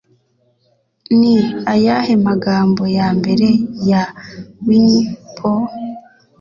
Ni ayahe magambo Yambere ya Winnie Pooh